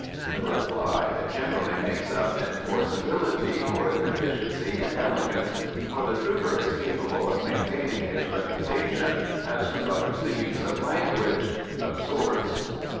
The reply generally makes up in forcibility for a deficiency in elegance, for the trooper is capable of maintaining his reputation as regards the use of language of sorts.